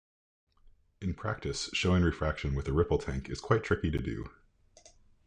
In practice, showing refraction with a ripple tank is quite tricky to do.